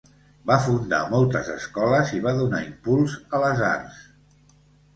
Va fundar moltes escoles i va donar impuls a les arts.